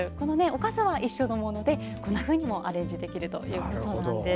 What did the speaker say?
おかずは一緒のものでこんなふうにもアレンジできるということなんです。